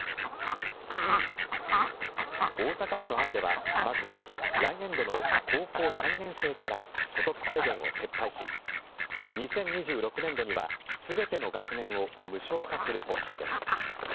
大阪府の案ではまず来年度の高校３年生から所得制限を撤廃し２０２６年度には全ての学年を無償化する方針です。